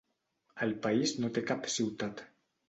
El país no té cap ciutat.